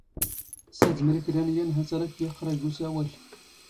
ⵙⴰⴷⵎⵔ ⵉ ⴽⵔⴰ ⵏ ⵢⴰⵏ ⵀⴰⵜ ⴰⵔ ⴰⴽ ⵢⴰⵇⵇⵔⴰ ⴳ ⵓⵙⴰⵡⴰⵍ.